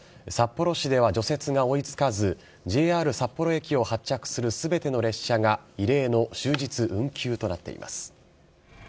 札幌市では除雪が追いつかず、ＪＲ札幌駅を発着するすべての列車が、異例の終日運休となっています。